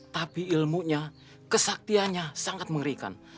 tapi ilmunya kesaktiannya sangat mengerikan